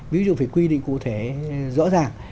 ví dụ phải quy định cụ thể rõ ràng